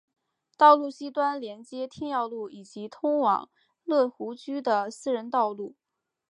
道路西端连接天耀路以及通往乐湖居的私人道路。